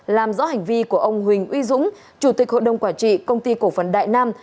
làm rõ hành vi của ông huỳnh uy dũng chủ tịch hội đồng quản trị công ty cổ phần đại nam